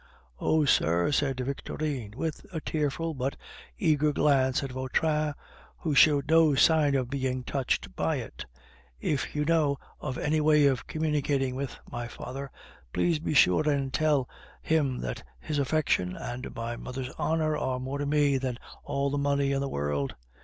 "Oh! sir," said Victorine, with a tearful but eager glance at Vautrin, who showed no sign of being touched by it, "if you know of any way of communicating with my father, please be sure and tell him that his affection and my mother's honor are more to me than all the money in the world.